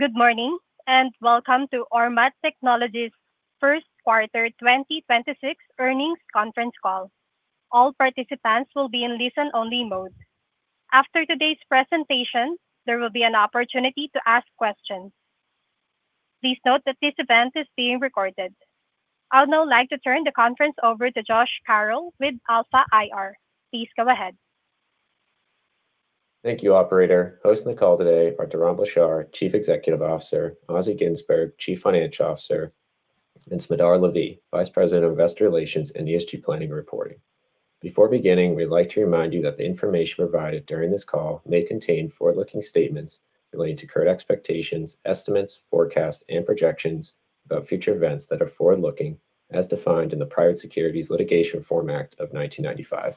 Good morning, and welcome to Ormat Technologies first quarter 2026 earnings conference call. All participants will be in listen-only mode. After today's presentation, there will be an opportunity to ask questions. Please note that this event is being recorded. I'd now like to turn the conference over to Josh Carroll with Alpha IR. Please go ahead. Thank you, operator. Hosting the call today are Doron Blachar, Chief Executive Officer, Assi Ginzburg, Chief Financial Officer, and Smadar Lavi, Vice President of Investor Relations and ESG Planning Reporting. Before beginning, we'd like to remind you that the information provided during this call may contain forward-looking statements relating to current expectations, estimates, forecasts, and projections about future events that are forward-looking as defined in the Private Securities Litigation Reform Act of 1995.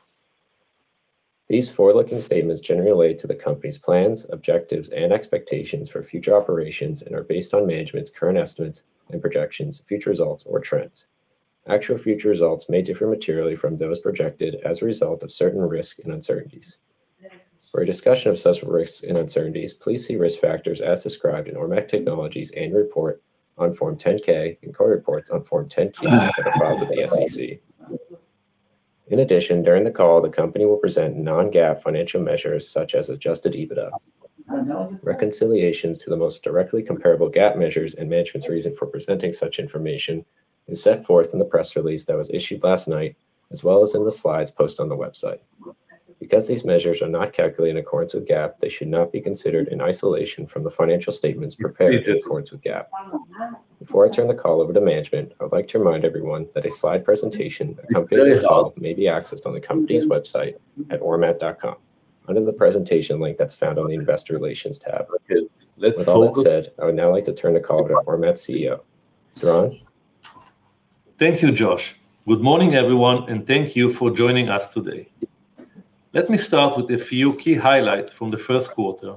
These forward-looking statements generally relate to the company's plans, objectives, and expectations for future operations and are based on management's current estimates and projections, future results or trends. Actual future results may differ materially from those projected as a result of certain risks and uncertainties. For a discussion of such risks and uncertainties, please see risk factors as described in Ormat Technologies' annual report on Form 10-K and quarterly reports on Form 10-Q that have been filed with the SEC. In addition, during the call, the company will present non-GAAP financial measures such as adjusted EBITDA. Reconciliations to the most directly comparable GAAP measures and management's reason for presenting such information is set forth in the press release that was issued last night as well as in the slides posted on the website. Because these measures are not calculated in accordance with GAAP, they should not be considered in isolation from the financial statements prepared in accordance with GAAP. Before I turn the call over to management, I would like to remind everyone that a slide presentation accompanying this call may be accessed on the company's website at ormat.com under the presentation link that's found on the Investor Relations tab. With all that said, I would now like to turn the call over to Ormat's CEO. Doron? Thank you, Josh. Good morning, everyone, and thank you for joining us today. Let me start with a few key highlights from the first quarter.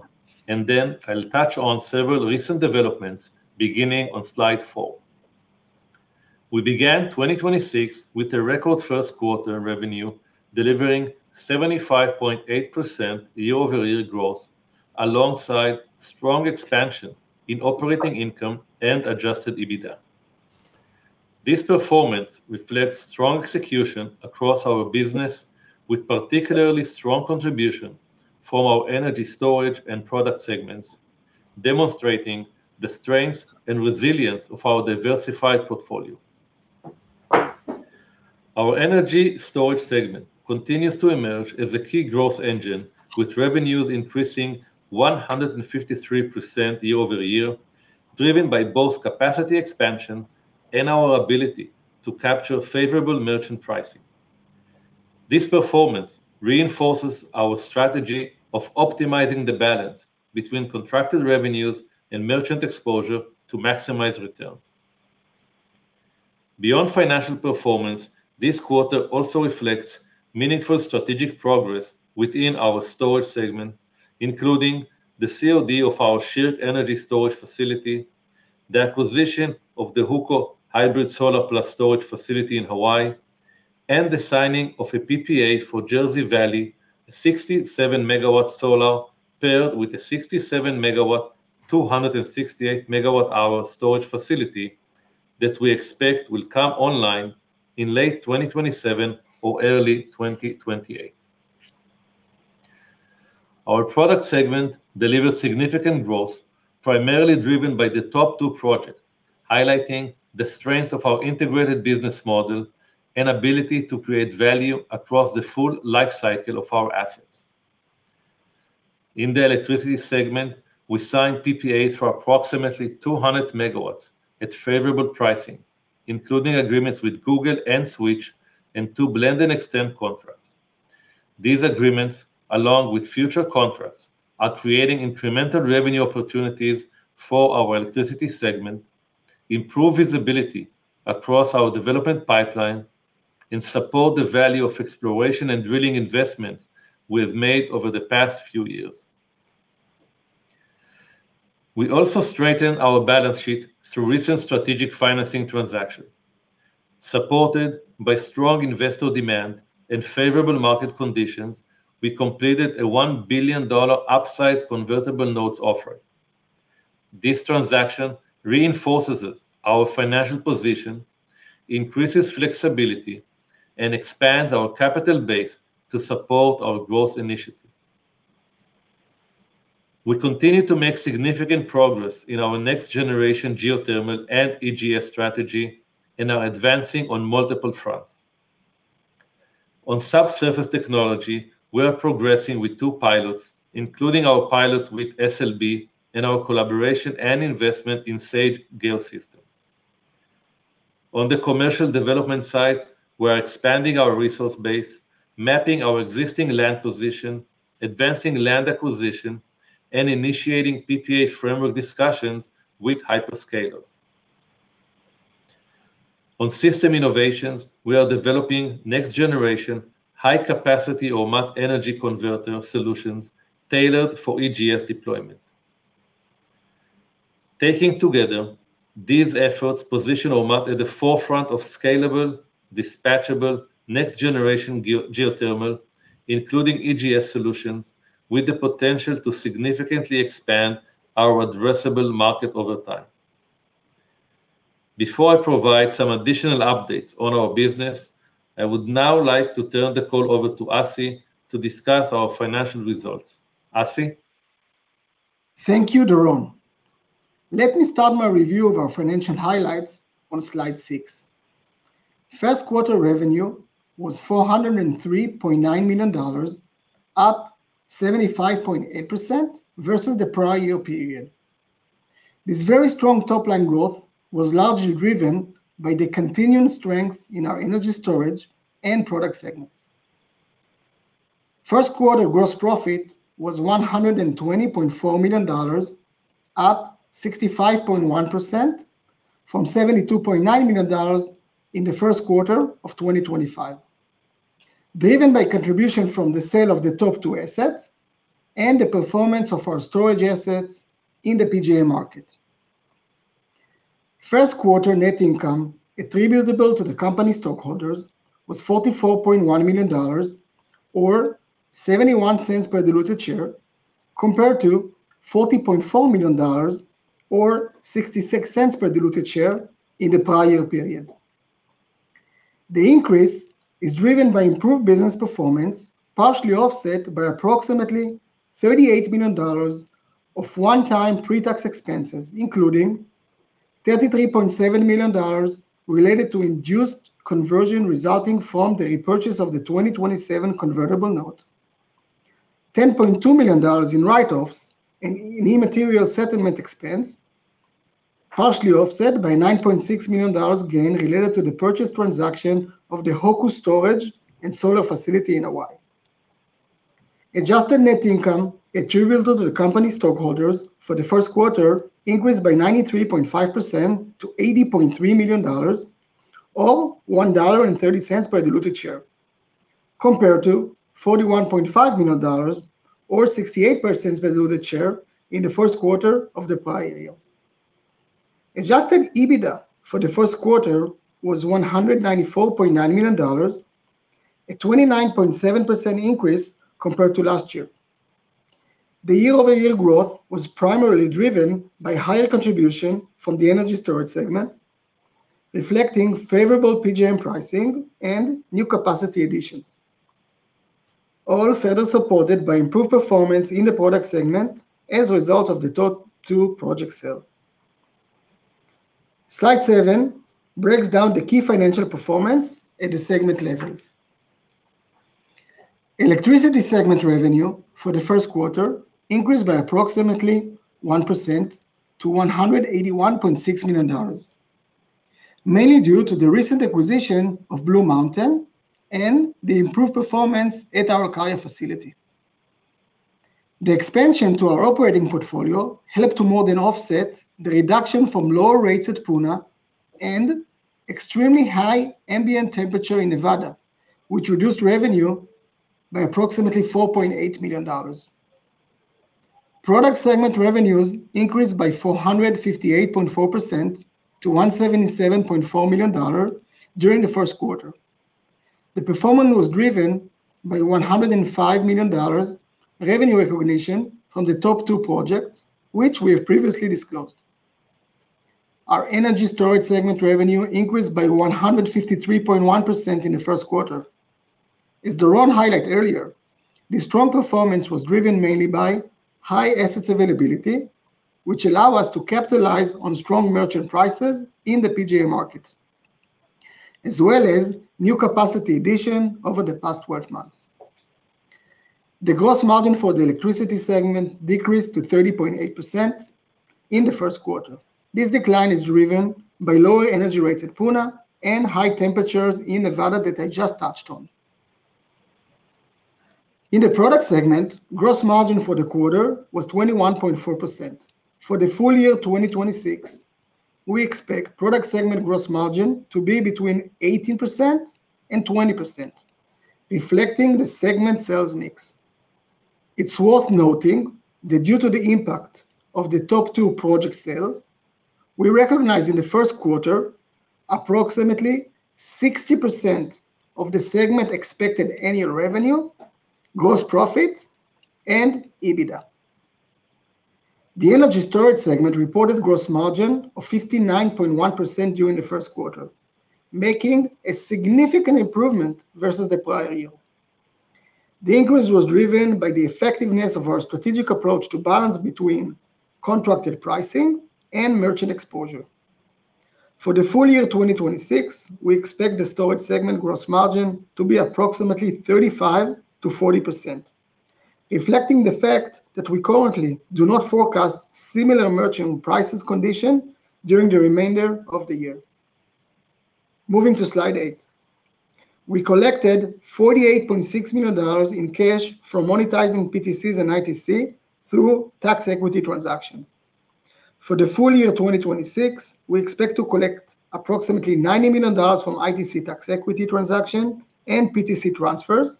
Then I'll touch on several recent developments beginning on slide four. We began 2026 with a record first quarter revenue, delivering 75.8% year-over-year growth alongside strong expansion in operating income and adjusted EBITDA. This performance reflects strong execution across our business with particularly strong contribution from our energy storage and product segments, demonstrating the strength and resilience of our diversified portfolio. Our energy storage segment continues to emerge as a key growth engine with revenues increAssing 153% year-over-year, driven by both capacity expansion and our ability to capture favorable merchant pricing. This performance reinforces our strategy of optimizing the balance between contracted revenues and merchant exposure to maximize returns. Beyond financial performance, this quarter also reflects meaningful strategic progress within our storage segment, including the COD of our Shirk Energy Storage facility, the acquisition of the Ho'oku hybrid solar-plus-storage facility in Hawaii, and the signing of a PPA for Jersey Valley, a 67 MW solar paired with a 67 MW/268 MWh storage facility that we expect will come online in late 2027 or early 2028. Our product segment delivered significant growth, primarily driven by the top two projects, highlighting the strengths of our integrated business model and ability to create value across the full life cycle of our assets. In the electricity segment, we signed PPAs for approximately 200 MW at favorable pricing, including agreements with Google and Switch and two blend-and-extend contracts. These agreements, along with future contracts, are creating incremental revenue opportunities for our electricity segment, improve visibility across our development pipeline, and support the value of exploration and drilling investments we have made over the past few years. We also strengthened our balance sheet through recent strategic financing transactions. Supported by strong investor demand and favorable market conditions, we completed a $1 billion upsized convertible notes offering. This transaction reinforces our financial position, increases flexibility, and expands our capital base to support our growth initiatives. We continue to make significant progress in our next-generation geothermal and EGS strategy and are advancing on multiple fronts. On subsurface technology, we are progressing with two pilots, including our pilot with SLB and our collaboration and investment in Sage Geosystems. On the commercial development side, we are expanding our resource base, mapping our existing land position, advancing land acquisition, and initiating PPA framework discussions with hyperscalers. On system innovations, we are developing next-generation high-capacity Ormat Energy Converter solutions tailored for EGS deployment. Taken together, these efforts position Ormat at the forefront of scalable, dispatchable, next-generation geothermal, including EGS solutions with the potential to significantly expand our addressable market over time. Before I provide some additional updates on our business, I would now like to turn the call over to Assi to discuss our financial results. Assi? Thank you, Doron. Let me start my review of our financial highlights on slide six. First quarter revenue was $403.9 million, up 75.8% versus the prior-year period. This very strong top-line growth was largely driven by the continuing strength in our energy storage and product segments. First quarter gross profit was $120.4 million, up 65.1% from $72.9 million in the first quarter of 2025. Driven by contribution from the sale of the top two assets and the performance of our storage assets in the PJM market. First quarter net income attributable to the company stockholders was $44.1 million or $0.71 per diluted share, compared to $40.4 million or $0.66 per diluted share in the prior period. The increase is driven by improved business performance, partially offset by approximately $38 million of one-time pre-tax expenses, including $33.7 million related to induced conversion resulting from the repurchase of the 2027 convertible note. $10.2 million in write-offs and immaterial settlement expense, partially offset by $9.6 million gain related to the purchase transaction of the Hoku storage and solar facility in Hawaii. Adjusted net income attributable to the company stockholders for the first quarter increased by 93.5% to $80.3 million, or $1.30 per diluted share, compared to $41.5 million or 68% per diluted share in the first quarter of the prior year. Adjusted EBITDA for the first quarter was $194.9 million, a 29.7% increase compared to last year. The year-over-year growth was primarily driven by higher contribution from the energy storage segment, reflecting favorable PJM pricing and new capacity additions. All further supported by improved performance in the product segment as a result of the top two project sale. Slide seven breaks down the key financial performance at the segment level. Electricity segment revenue for the first quarter increased by approximately 1% to $181.6 million, mainly due to the recent acquisition of Blue Mountain and the improved performance at our Olkaria facility. The expansion to our operating portfolio helped to more than offset the reduction from lower rates at Puna and extremely high ambient temperature in Nevada, which reduced revenue by approximately $4.8 million. Product segment revenues increased by 458.4% to $177.4 million during the first quarter. The performance was driven by $105 million revenue recognition from the top two projects, which we have previously disclosed. Our energy storage segment revenue increased by 153.1% in the first quarter. As Doron highlight earlier, this strong performance was driven mainly by high assets availability, which allow us to capitalize on strong merchant prices in the PJM market, as well as new capacity addition over the past 12 months. The gross margin for the electricity segment decreased to 30.8% in the first quarter. This decline is driven by lower energy rates at Puna and high temperatures in Nevada that I just touched on. In the product segment, gross margin for the quarter was 21.4%. For the full year 2026, we expect product segment gross margin to be between 18% and 20%, reflecting the segment sales mix. It's worth noting that due to the impact of the top two project sale, we recognize in the first quarter approximately 60% of the segment expected annual revenue, gross profit and EBITDA. The energy storage segment reported gross margin of 59.1% during the first quarter, making a significant improvement versus the prior year. The increase was driven by the effectiveness of our strategic approach to balance between contracted pricing and merchant exposure. For the full year 2026, we expect the storage segment gross margin to be approximately 35%-40%, reflecting the fact that we currently do not forecast similar merchant prices condition during the remainder of the year. Moving to slide eight. We collected $48.6 million in cash from monetizing PTCs and ITC through tax equity transactions. For the full year 2026, we expect to collect approximately $90 million from ITC tax equity transaction and PTC transfers,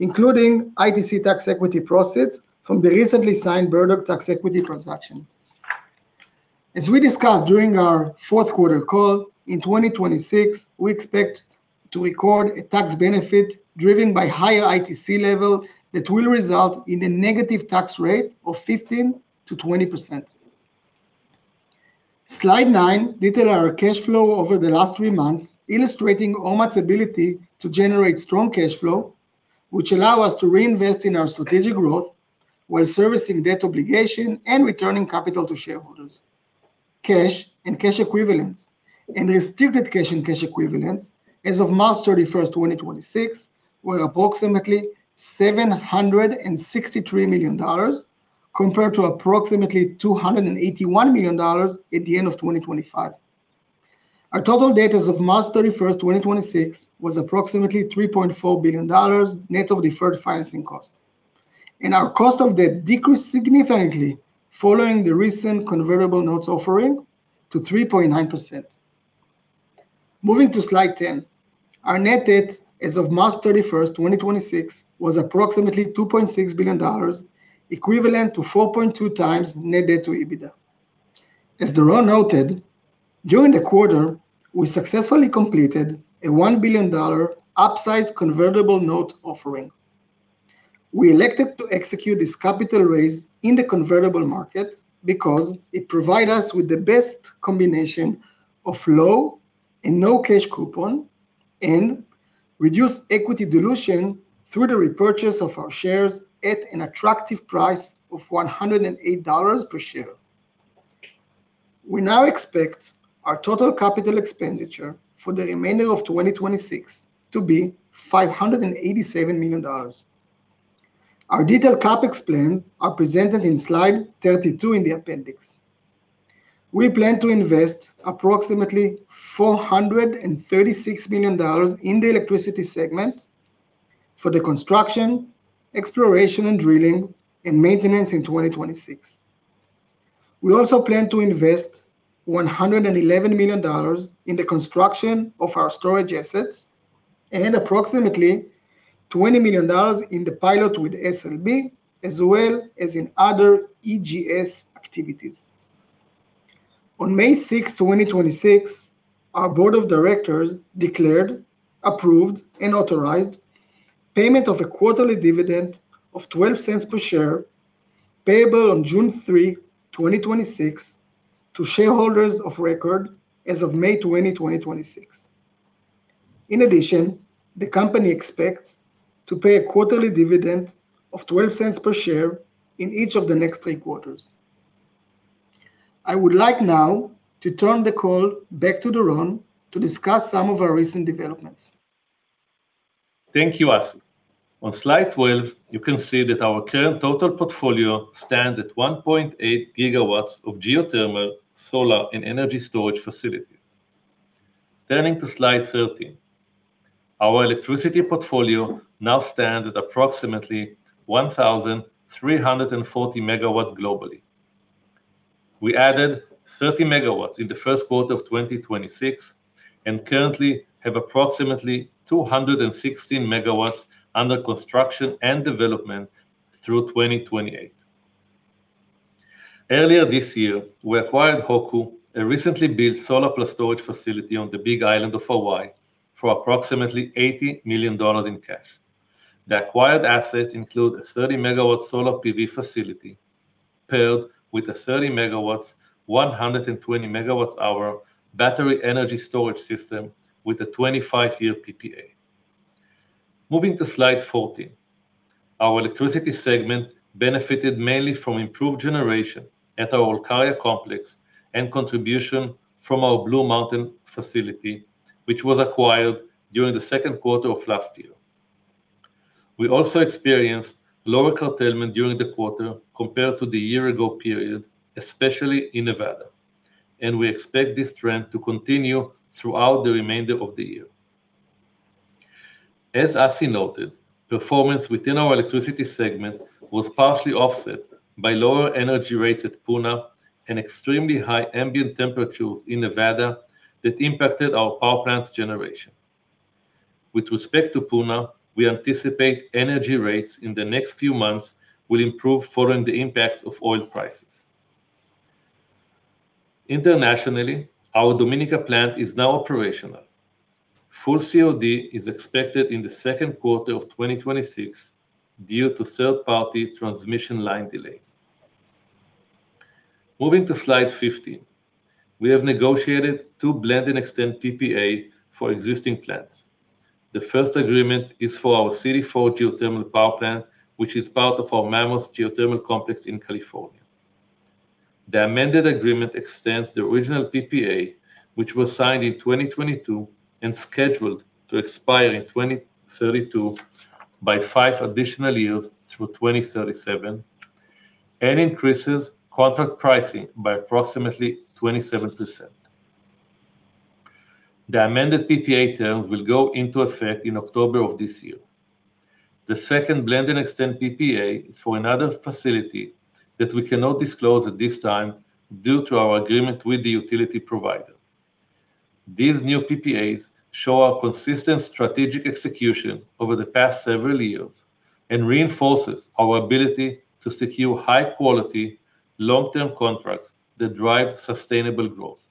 including ITC tax equity proceeds from the recently signed Burdock tax equity transaction. As we discussed during our fourth quarter call, in 2026, we expect to record a tax benefit driven by higher ITC level that will result in a negative tax rate of 15%-20%. Slide nine details our cash flow over the last three months, illustrating Ormat's ability to generate strong cash flow, which allows us to reinvest in our strategic growth while servicing debt obligations and returning capital to shareholders. Cash and cash equivalents and restricted cash and cash equivalents as of March 31st, 2026 were approximately $763 million compared to approximately $281 million at the end of 2025. Our total debt as of March 31st, 2026 was approximately $3.4 billion net of deferred financing costs. Our cost of debt decreased significantly following the recent convertible notes offering to 3.9%. Moving to slide 10. Our net debt as of March 31st, 2026 was approximately $2.6 billion, equivalent to 4.2 times net debt to EBITDA. As Doron noted, during the quarter, we successfully completed a $1 billion upsize convertible note offering. We elected to execute this capital raise in the convertible market because it provide us with the best combination of low and no cash coupon and reduced equity dilution through the repurchase of our shares at an attractive price of $108 per share. We now expect our total capital expenditure for the remainder of 2026 to be $587 million. Our detailed CapEx plans are presented in slide 32 in the appendix. We plan to invest approximately $436 million in the electricity segment for the construction, exploration and drilling, and maintenance in 2026. We also plan to invest $111 million in the construction of our storage assets and approximately $20 million in the pilot with SLB, as well as in other EGS activities. On May 6th, 2026, our board of directors declared, approved, and authorized payment of a quarterly dividend of $0.12 per share, payable on June 3, 2026 to shareholders of record as of May 20, 2026. In addition, the company expects to pay a quarterly dividend of $0.12 per share in each of the next three quarters. I would like now to turn the call back to Doron to discuss some of our recent developments. Thank you, Assi. On slide 12, you can see that our current total portfolio stands at 1.8 GW of geothermal, solar, and energy storage facility. Turning to slide 13. Our electricity portfolio now stands at approximately 1,340 MW globally. We added 30 MW in the first quarter of 2026 and currently have approximately 216 MW under construction and development through 2028. Earlier this year, we acquired Hoku, a recently built solar-plus storage facility on the Big Island of Hawaii, for approximately $80 million in cash. The acquired assets include a 30 MW solar PV facility paired with a 30 MW/120 MWh battery energy storage system with a 25-year PPA. Moving to slide 14. Our electricity segment benefited mainly from improved generation at our Olkaria complex and contribution from our Blue Mountain facility, which was acquired during the second quarter of last year. We also experienced lower curtailment during the quarter compared to the year ago period, especially in Nevada. We expect this trend to continue throughout the remainder of the year. As Assi noted, performance within our electricity segment was partially offset by lower energy rates at Puna and extremely high ambient temperatures in Nevada that impacted our power plants generation. With respect to Puna, we anticipate energy rates in the next few months will improve following the impact of oil prices. Internationally, our Dominica plant is now operational. Full COD is expected in the second quarter of 2026 due to third-party transmission line delays. Moving to slide 15. We have negotiated two blend-and-extend PPA for existing plants. The first agreement is for our CD4 geothermal power plant, which is part of our Mammoth geothermal complex in California. The amended agreement extends the original PPA, which was signed in 2022 and scheduled to expire in 2032 by five additional years through 2037 and increases contract pricing by approximately 27%. The amended PPA terms will go into effect in October of this year. The second blend-and-extend PPA is for another facility that we cannot disclose at this time due to our agreement with the utility provider. These new PPAs show our consistent strategic execution over the past several years. Reinforces our ability to secure high-quality long-term contracts that drive sustainable growth.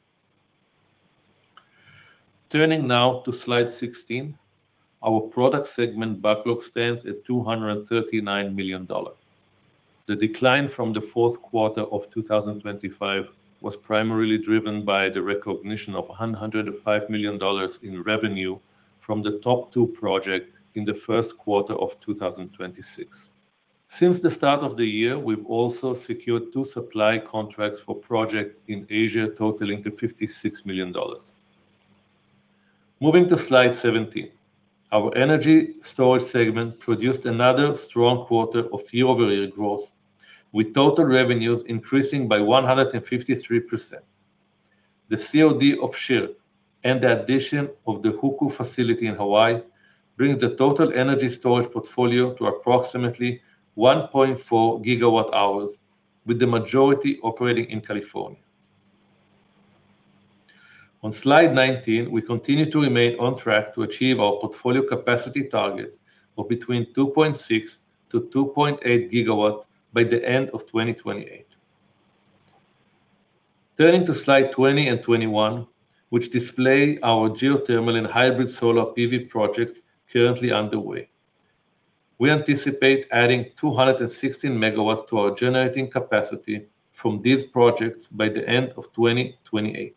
Turning now to slide 16, our product segment backlog stands at $239 million. The decline from the fourth quarter of 2025 was primarily driven by the recognition of $105 million in revenue from the top two project in the first quarter of 2026. Since the start of the year, we've also secured two supply contracts for project in Asia totaling to $56 million. Moving to slide 17. Our energy storage segment produced another strong quarter of year-over-year growth, with total revenues increAssing by 153%. The COD of Shirk and the addition of the Ho'oku facility in Hawaii brings the total energy storage portfolio to approximately 1.4 GWh, with the majority operating in California. On slide 19, we continue to remain on track to achieve our portfolio capacity target of between 2.6 GW-2.8 GW by the end of 2028. Turning to slide 20 and 21, which display our geothermal and hybrid solar PV projects currently underway. We anticipate adding 216 MW to our generating capacity from these projects by the end of 2028.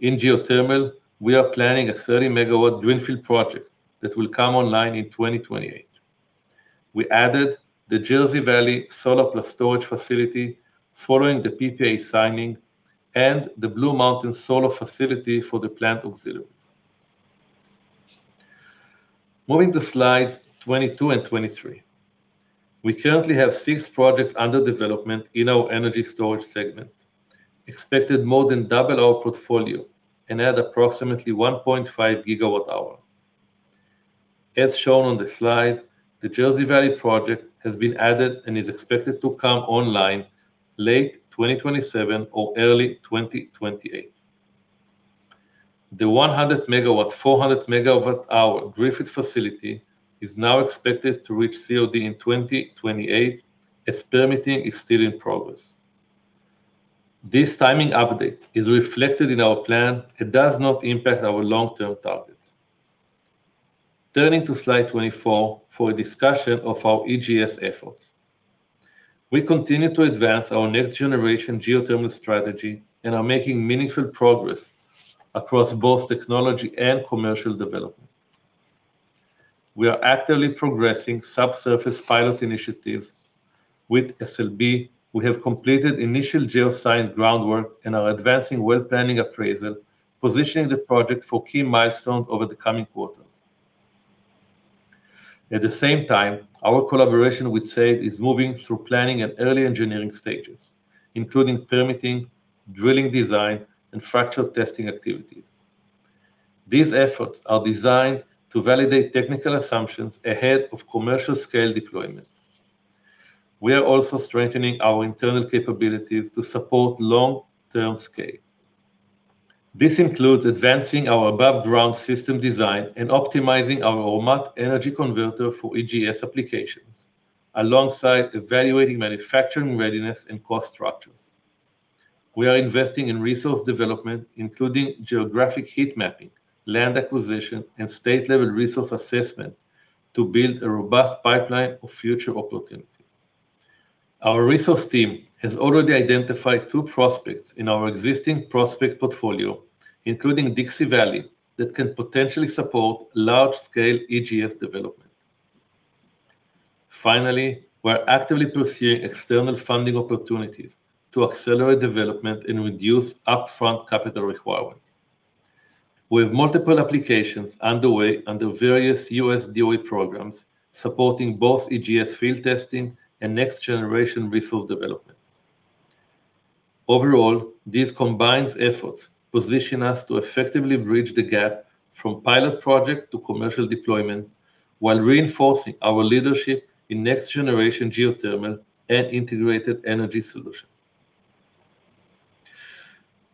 In geothermal, we are planning a 30 MW greenfield project that will come online in 2028. We added the Jersey Valley solar plus storage facility following the PPA signing and the Blue Mountain solar facility for the plant auxiliaries. Moving to slides 22 and 23. We currently have six projects under development in our energy storage segment, expected more than double our portfolio and add approximately 1.5 GWh. As shown on the slide, the Jersey Valley project has been added and is expected to come online late 2027 or early 2028. The 100 MW/400 MWh Griffith facility is now expected to reach COD in 2028 as permitting is still in progress. This timing update is reflected in our plan. It does not impact our long-term targets. Turning to slide 24 for a discussion of our EGS efforts. We continue to advance our next-generation geothermal strategy and are making meaningful progress across both technology and commercial development. We are actively progressing subsurface pilot initiatives with SLB, who have completed initial geoscience groundwork and are advancing well planning appraisal, positioning the project for key milestones over the coming quarters. At the same time, our collaboration with Sage is moving through planning and early engineering stages, including permitting, drilling design and fracture testing activities. These efforts are designed to validate technical assumptions ahead of commercial-scale deployment. We are also strengthening our internal capabilities to support long-term scale. This includes advancing our above ground system design and optimizing our Ormat Energy Converter for EGS applications, alongside evaluating manufacturing readiness and cost structures. We are investing in resource development, including geographic heat mapping, land acquisition, and state-level resource assessment to build a robust pipeline of future opportunities. Our resource team has already identified two prospects in our existing prospect portfolio, including Dixie Valley, that can potentially support large-scale EGS development. Finally we're actively pursuing external funding opportunities to accelerate development and reduce upfront capital requirements. We have multiple applications underway under various U.S. DOE programs, supporting both EGS field testing and next-generation resource development. Overall, these combined efforts position us to effectively bridge the gap from pilot project to commercial deployment while reinforcing our leadership in next-generation geothermal and integrated energy solution.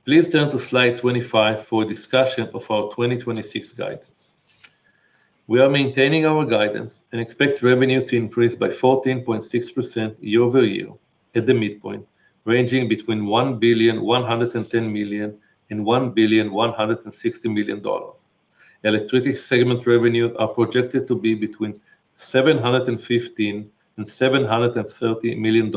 Please turn to slide 25 for a discussion of our 2026 guidance. We are maintaining our guidance and expect revenue to increase by 14.6% year-over-year at the midpoint, ranging between $1,110 million and $1,160 million. Electricity segment revenues are projected to be between $715 million and $730 million.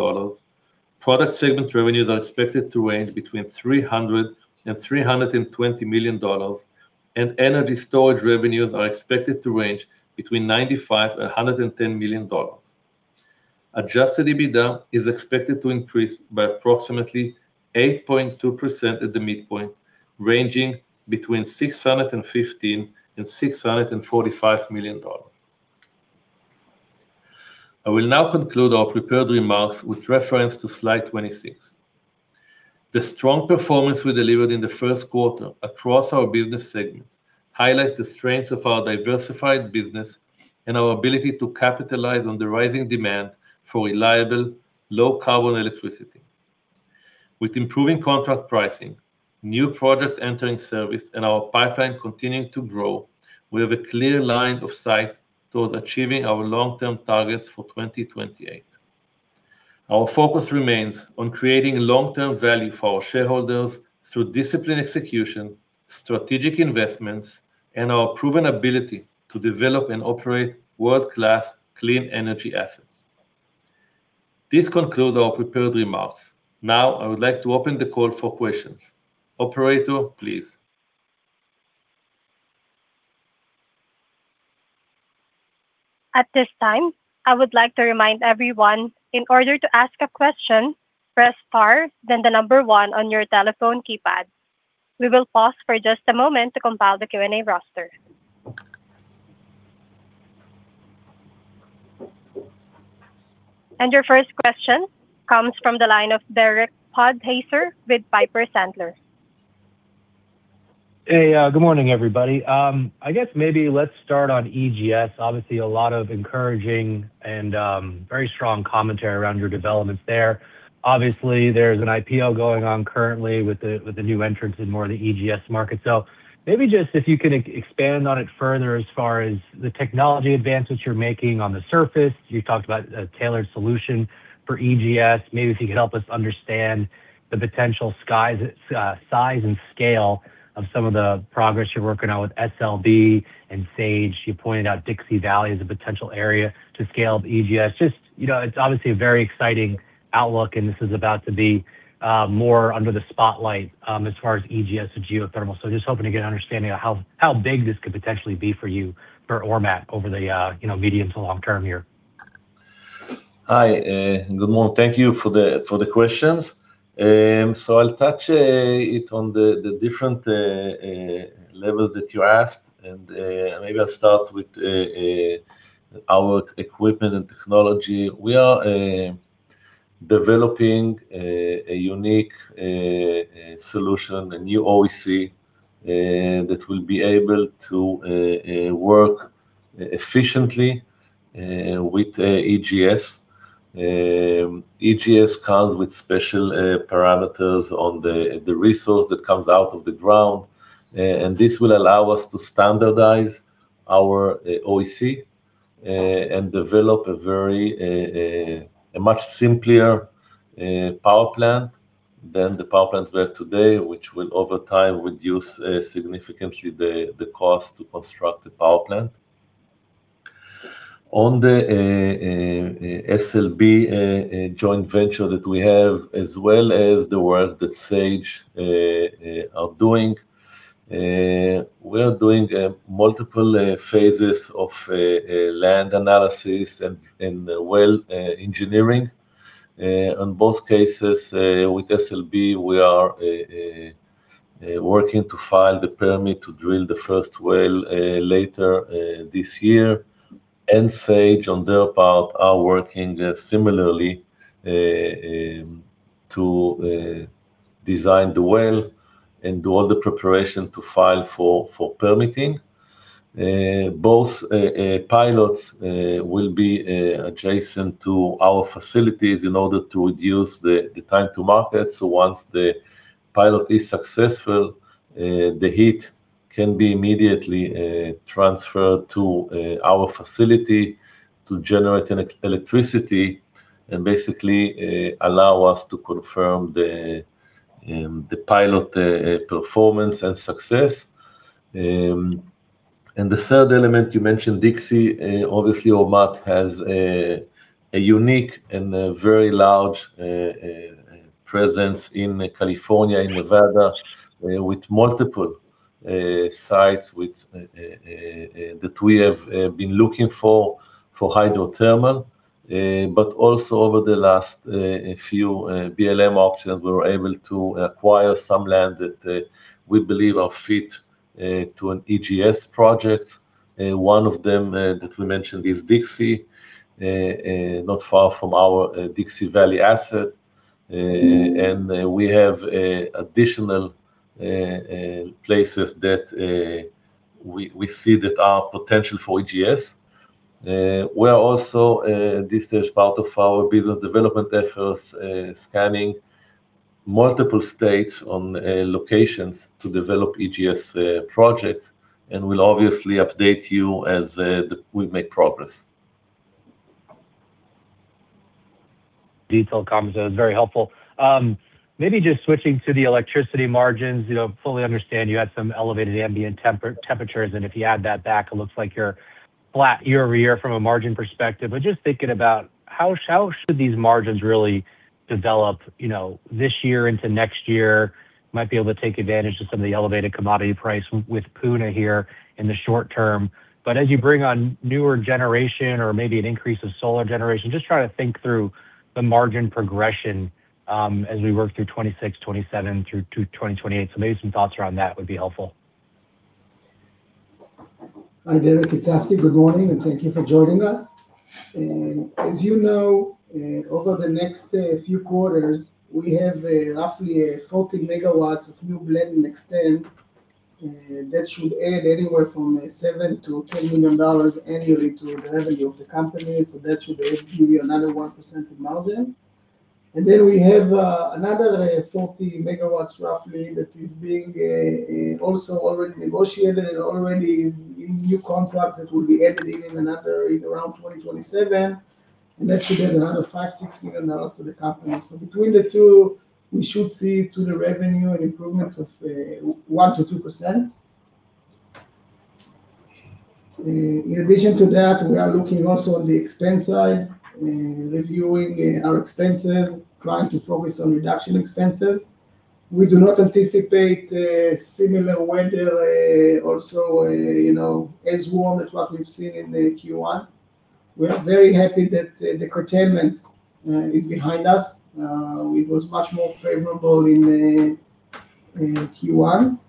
Product segment revenues are expected to range between $300 million and $320 million, and energy storage revenues are expected to range between $95 million and $110 million. Adjusted EBITDA is expected to increase by approximately 8.2% at the midpoint, ranging between $615 million and $645 million. I will now conclude our prepared remarks with reference to slide 26. The strong performance we delivered in the first quarter across our business segments highlights the strengths of our diversified business and our ability to capitalize on the rising demand for reliable low carbon electricity. With improving contract pricing, new project entering service, and our pipeline continuing to grow, we have a clear line of sight towards achieving our long-term targets for 2028. Our focus remains on creating long-term value for our shareholders through disciplined execution, strategic investments, and our proven ability to develop and operate world-class clean energy assets. This concludes our prepared remarks. Now I would like to open the call for questions. Operator, please. At this time, I would like to remind everyone, in order to ask a question, press star then the number one on your telephone keypad. We will pause for just a moment to compile the Q&A roster. Your first question comes from the line of Derek Podhaizer with Piper Sandler. Hey, good morning, everybody. I guess maybe let's start on EGS. Obviously, a lot of encouraging and very strong commentary around your developments there. Obviously, there's an IPO going on currently with the, with the new entrants in more of the EGS market. Maybe just if you could expand on it further as far as the technology advances you're making on the surface. You talked about a tailored solution for EGS. Maybe if you could help us understand the potential skies, size and scale of some of the progress you're working on with SLB and Sage. You pointed out Dixie Valley as a potential area to scale up EGS. Just, you know, it's obviously a very exciting outlook, and this is about to be more under the spotlight as far as EGS and geothermal. Just hoping to get an understanding of how big this could potentially be for you, for Ormat over the, you know, medium to long term here. Hi, good morning. Thank you for the questions. I'll touch it on the different levels that you asked, maybe I'll start with our equipment and technology. We are developing a unique solution, a new OEC, that will be able to work efficiently with EGS. EGS comes with special parameters on the resource that comes out of the ground. This will allow us to standardize our OEC and develop a very much simpler power plant than the power plants we have today, which will over time reduce significantly the cost to construct the power plant. On the SLB joint venture that we have, as well as the work that Sage are doing, we are doing multiple phases of land analysis and well engineering. On both cases, with SLB, we are working to file the permit to drill the first well later this year. Sage, on their part, are working similarly to design the well and do all the preparation to file for permitting. Both pilots will be adjacent to our facilities in order to reduce the time to market. Once the pilot is successful, the heat can be immediately transferred to our facility to generate electricity and bassically allow us to confirm the pilot performance and success. The third element you mentioned, Dixie, obviously Ormat has a unique and a very large presence in California, in Nevada, with multiple sites that we have been looking for hydrothermal. Also over the last few BLM auctions, we were able to acquire some land that we believe are fit to an EGS project. One of them that we mentioned is Dixie, not far from our Dixie Valley asset. We have additional places that we see that are potential for EGS. We are also, this is part of our business development efforts, scanning multiple states on locations to develop EGS projects. We'll obviously update you as we make progress. Detail comments are very helpful. Maybe just switching to the electricity margins. You know, fully understand you had some elevated ambient temperatures, and if you add that back, it looks like you're flat year-over-year from a margin perspective. Just thinking about how should these margins really develop, you know, this year into next year? Might be able to take advantage of some of the elevated commodity price with Puna here in the short term. As you bring on newer generation or maybe an increase of solar generation, just trying to think through the margin progression as we work through 2026, 2027 through to 2028. Maybe some thoughts around that would be helpful. Hi, Derek. It's Assi. Good morning, and thank you for joining us. As you know, over the next few quarters, we have roughly 40 MW of new blend and extend that should add anywhere from $7 million-$10 million annually to the revenue of the company. That should give you another 1% margin. Then we have another 40 MW roughly that is being also already negotiated and already is in new contracts that will be ending around 2027. That should add another $5 million-$6 million to the company. Between the two, we should see to the revenue an improvement of 1%-2%. In addition to that, we are looking also on the expense side, reviewing our expenses, trying to focus on reduction expenses. We do not anticipate a similar weather, you know, as warm as what we've seen in the Q1. We are very happy that the curtailment is behind us. It was much more favorable in Q1.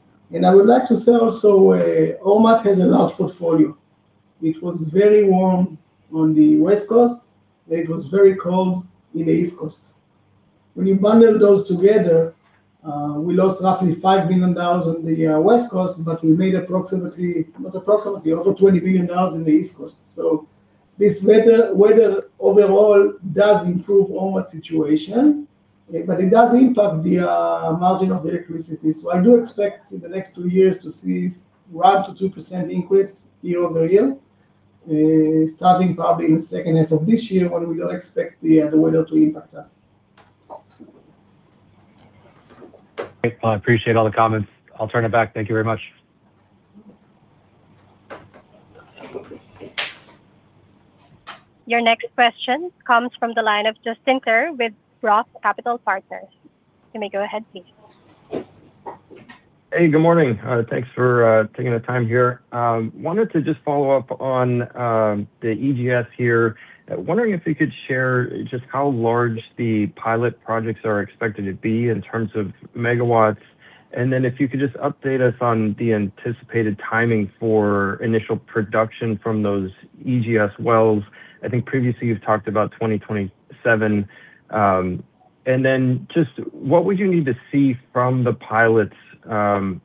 I would like to say also, Ormat has a large portfolio. It was very warm on the West Coast, and it was very cold in the East Coast. When you bundle those together, we lost roughly $5 million on the West Coast, but we made over $20 million in the East Coast. This weather overall does improve Ormat situation, but it does impact the margin of the electricity. I do expect in the next two years to see 1%-2% increase year-over-year, starting probably in second half of this year when we don't expect the weather to impact us. Great. Well, I appreciate all the comments. I'll turn it back. Thank you very much. Your next question comes from the line of Justin Clare with Roth Capital Partners. You may go ahead, please. Hey, good morning. Thanks for taking the time here. Wanted to just follow up on the EGS here. Wondering if you could share just how large the pilot projects are expected to be in terms of megawatts. If you could just update us on the anticipated timing for initial production from those EGS wells. I think previously you've talked about 2027. Just what would you need to see from the pilots,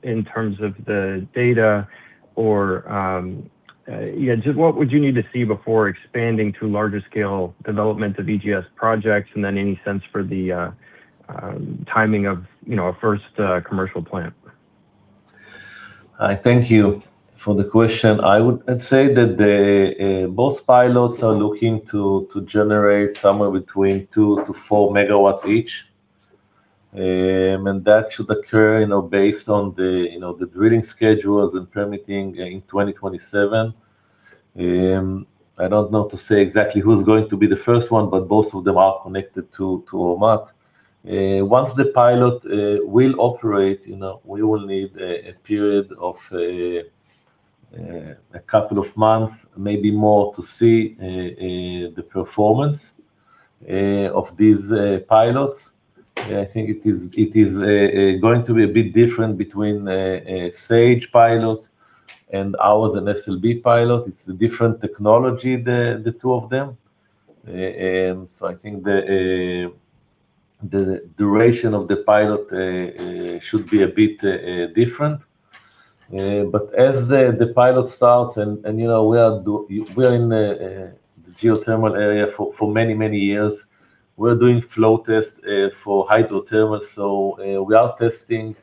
in terms of the data or, yeah, just what would you need to see before expanding to larger scale development of EGS projects? Any sense for the timing of, you know, a first commercial plant? Thank you for the question. I'd say that both pilots are looking to generate somewhere between 2 MW-4 MW each. That should occur, you know, based on the, you know, drilling schedules and permitting in 2027. I don't know to say exactly who's going to be the first one, but both of them are connected to Ormat. Once the pilot will operate, you know, we will need a period of a couple of months, maybe more, to see the performance of these pilots. I think it is going to be a bit different between Sage pilot and ours and SLB pilot. It's a different technology, the two of them. I think the duration of the pilot should be a bit different. As the pilot starts and, you know, we are in the geothermal area for many many years. We're doing flow tests for hydrothermal, we are testing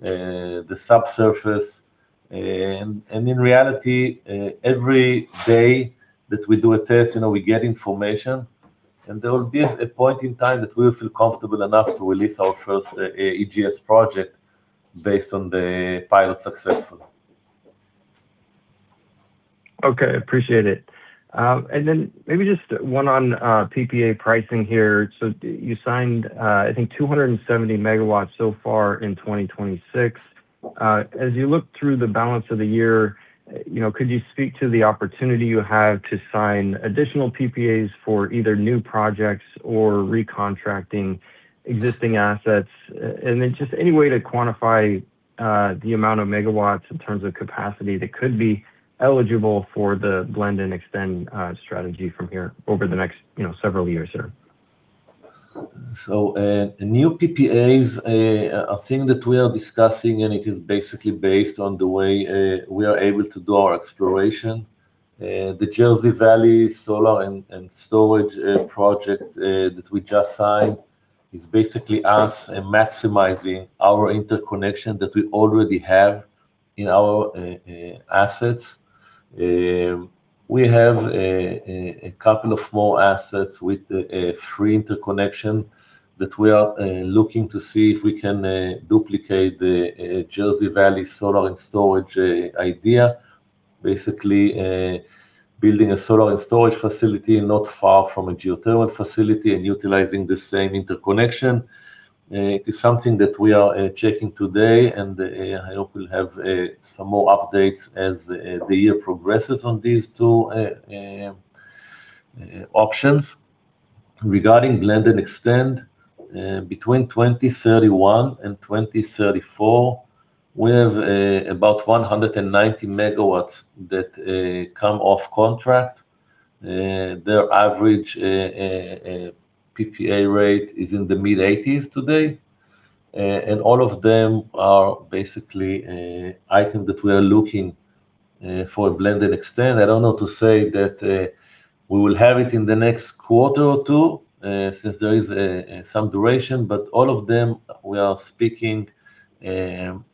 the subsurface. In reality, every day that we do a test, you know, we get information. There will be a point in time that we'll feel comfortable enough to release our first EGS project based on the pilot successful. Okay. Appreciate it. Then maybe just one on PPA pricing here. You signed, I think 270 MW so far in 2026. As you look through the balance of the year, you know, could you speak to the opportunity you have to sign additional PPAs for either new projects or recontracting existing assets? Then just any way to quantify the amount of megawatts in terms of capacity that could be eligible for the blend and extend strategy from here over the next, you know, several years here. New PPAs, a thing that we are discussing, and it is basically based on the way we are able to do our exploration. The Jersey Valley solar and storage project that we just signed is basically us maximizing our interconnection that we already have in our assets. We have a couple of more assets with free interconnection that we are looking to see if we can duplicate the Jersey Valley solar and storage idea. Basically, building a solar and storage facility not far from a geothermal facility and utilizing the same interconnection. It is something that we are checking today. I hope we'll have some more updates as the year progresses on these two options regarding blend and extend between 2031 and 2034. We have about 190 MW that come off contract. Their average PPA rate is in the mid-80s today. All of them are bassically item that we are looking for a blend and extend. I don't know to say that we will have it in the next quarter or two since there is some duration. All of them we are speaking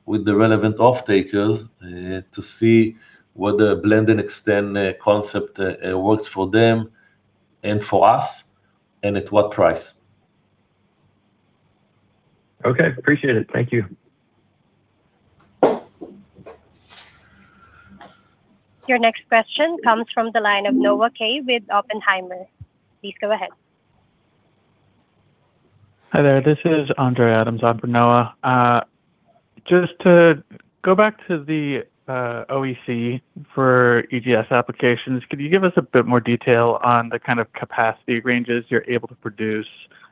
with the relevant off takers to see whether blend and extend concept works for them and for us, and at what price. Okay. Appreciate it. Thank you. Your next question comes from the line of Noah Kaye with Oppenheimer. Please go ahead. Hello, this is Andre Adams on for Noah. Just to go back to the OEC for EGS applications, could you give us a bit more detail on the kind of capacity ranges you're able to produce,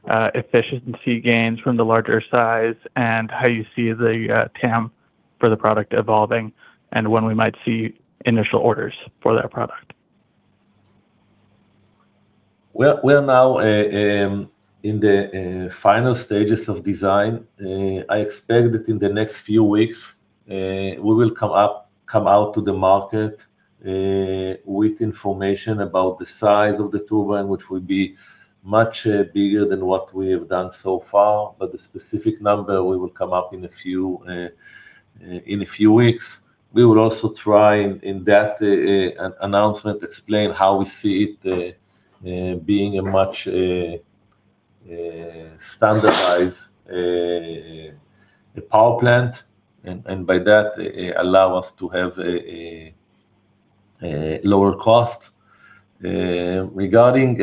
efficiency gains from the larger size and how you see the TAM for the product evolving and when we might see initial orders for that product? We're now in the final stages of design. I expect that in the next few weeks, we will come out to the market with information about the size of the turbine, which will be much bigger than what we have done so far. The specific number, we will come up in a few weeks. We will also try and in that an announcement explain how we see it being a much standardized power plant and by that allow us to have a lower cost. Regarding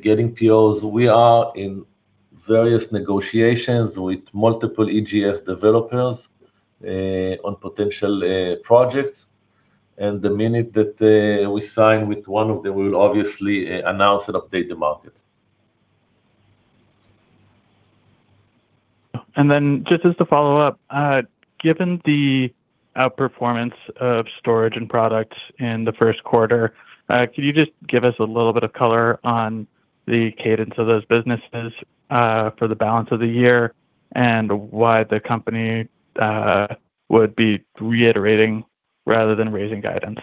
getting POs, we are in various negotiations with multiple EGS developers on potential projects, and the minute that we sign with one of them, we'll obviously announce and update the market. Just as a follow-up, given the outperformance of storage and products in the first quarter, could you just give us a little bit of color on the cadence of those businesses for the balance of the year and why the company would be reiterating rather than raising guidance?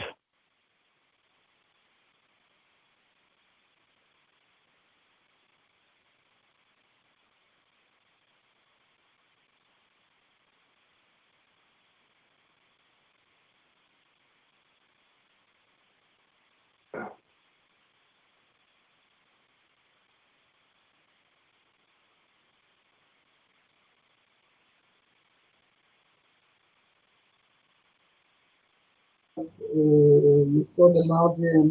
As you saw the margin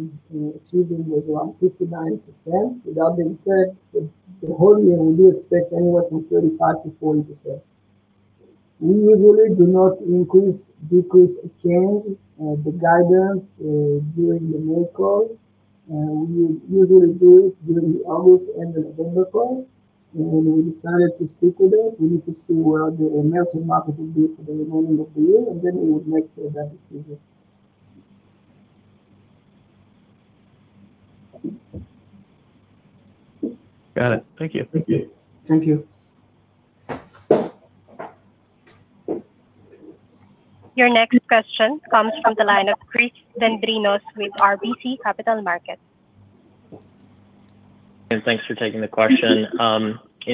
achieving was around 59%. With that being said, the whole year we do expect anywhere from 35%-40%. We usually do not increase, decrease or change the guidance during the main call. We usually do it during the August and the November call, and we decided to stick with that. We need to see where the emerging market will be for the remaining of the year, and then we would make that decision. Got it. Thank you. Thank you. Thank you. Your next question comes from the line of Chris Dendrinos with RBC Capital Markets. Thanks for taking the question.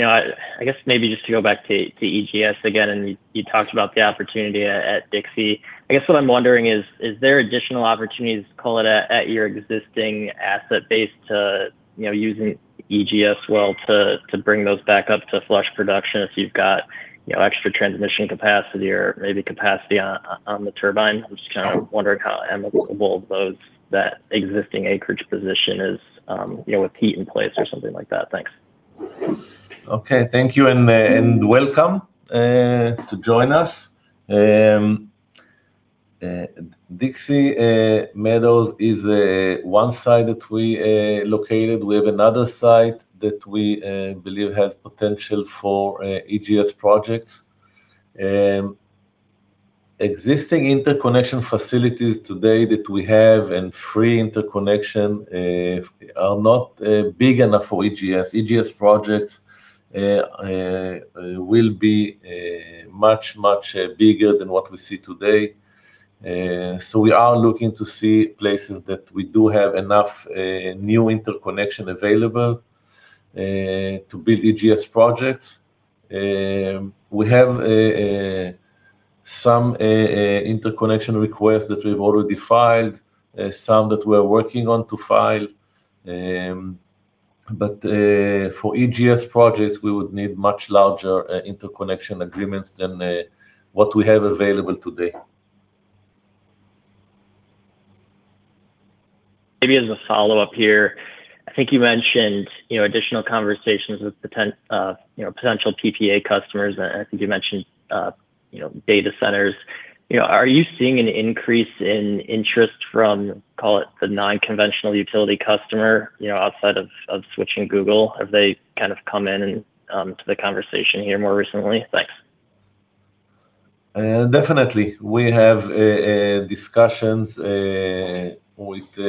I guess maybe just to go back to EGS again, you talked about the opportunity at Dixie. I guess what I'm wondering is there additional opportunities to call it at your existing asset base to using EGS well to bring those back up to flush production if you've got extra transmission capacity or maybe capacity on the turbine? I'm just kind of wondering how amicable those, that existing acreage position is with heat in place or something like that. Thanks. Okay. Thank you and welcome to join us. Dixie Meadows is one site that we located. We have another site that we believe has potential for EGS projects. Existing interconnection facilities today that we have and free interconnection are not big enough for EGS. EGS projects will be much, much bigger than what we see today. We are looking to see places that we do have enough new interconnection available to build EGS projects. We have some interconnection requests that we've already filed, some that we're working on to file. For EGS projects, we would need much larger interconnection agreements than what we have available today. Maybe as a follow-up here, I think you mentioned, you know, additional conversations with potential PPA customers. I think you mentioned, you know, data centers. You know, are you seeing an increase in interest from, call it the non-conventional utility customer, you know, outside of Switch and Google? Have they kind of come in and to the conversation here more recently? Thanks. Definitely. We have discussions with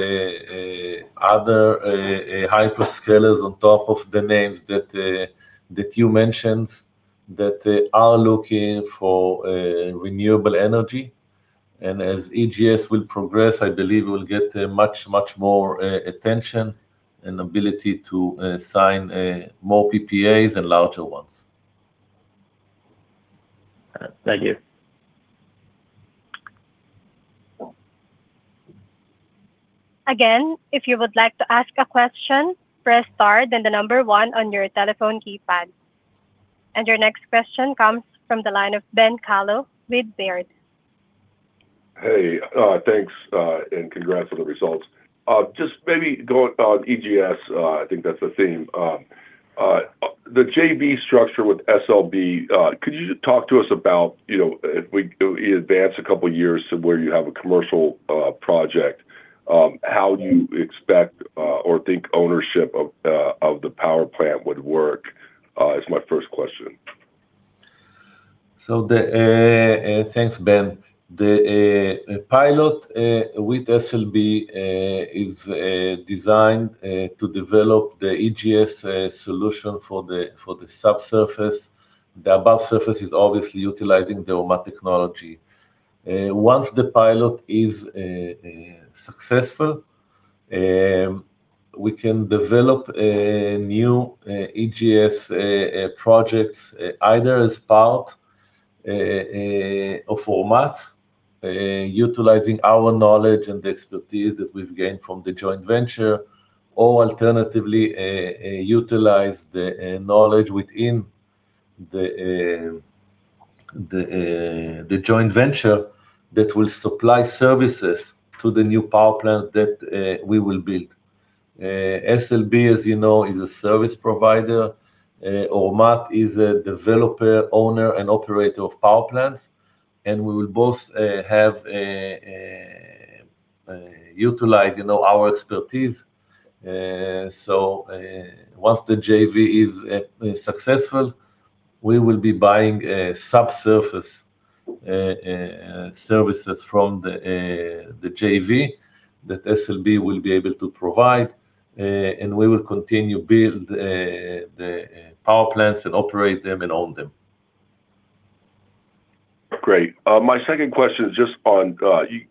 other hyperscalers on top of the names that you mentioned, that they are looking for renewable energy. As EGS will progress, I believe we'll get much, much more attention and ability to sign more PPAs and larger ones. All right. Thank you. Again, if you would like to ask a question, press star, then the number one on your telephone keypad. Your next question comes from the line of Ben Kallo with Baird. Hey, thanks, and congrats on the results. Just maybe going on EGS, I think that's the theme. The JV structure with SLB, could you just talk to us about if we advance a couple of years to where you have a commercial project, how you expect or think ownership of the power plant would work, is my first question. Thanks, Ben. The pilot with SLB is designed to develop the EGS solution for the subsurface. The above surface is obviously utilizing the Ormat technology. Once the pilot is successful, we can develop a new EGS project either as part of Ormat, utilizing our knowledge and the expertise that we've gained from the joint venture, or alternatively, utilize the knowledge within the joint venture that will supply services to the new power plant that we will build. SLB, as you know, is a service provider. Ormat is a developer, owner, and operator of power plants, and we will both utilize, you know, our expertise. Once the JV is successful, we will be buying subsurface services from the JV that SLB will be able to provide, and we will continue build the power plants and operate them and own them. Great. My second question is just on,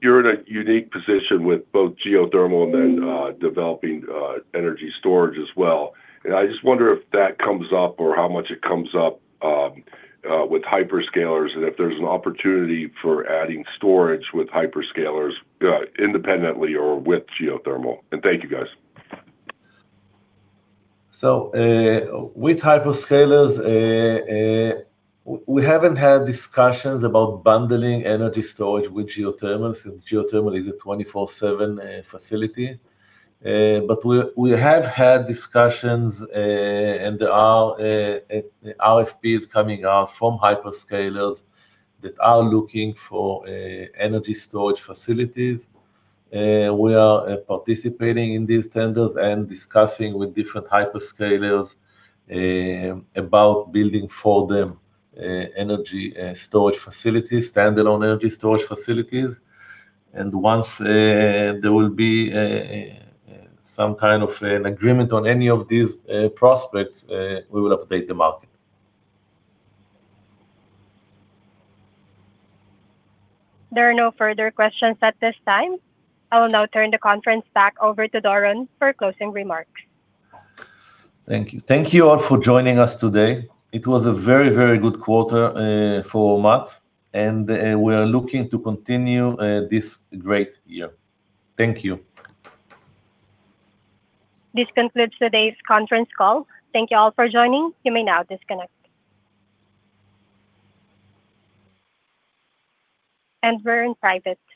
you're in a unique position with both geothermal and then, developing energy storage as well. I just wonder if that comes up or how much it comes up with hyperscalers, if there's an opportunity for adding storage with hyperscalers, independently or with geothermal. Thank you, guys. With hyperscalers, we haven't had discussions about bundling energy storage with geothermal since geothermal is a 24/7 facility. We have had discussions, and there are RFPs coming out from hyperscalers that are looking for energy storage facilities. We are participating in these tenders and discussing with different hyperscalers about building for them energy storage facilities, standalone energy storage facilities. Once there will be some kind of an agreement on any of these prospects, we will update the market. There are no further questions at this time. I will now turn the conference back over to Doron for closing remarks. Thank you. Thank you all for joining us today. It was a very, very good quarter, for Ormat, and, we are looking to continue, this great year. Thank you. This concludes today's conference call. Thank you all for joining. You may now disconnect. We're in private.